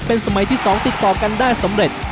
เป็นสมัยที่๒ติดต่อกันได้สำเร็จ